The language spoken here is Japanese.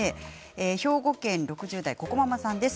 兵庫県６０代の方です。